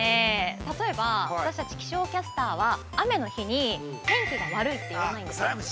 例えば、私たち気象キャスターは、雨の日に天気が悪いって言わないんですよ。